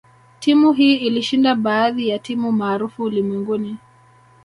Timu hii ilishinda baadhi ya timu maarufu ulimwenguni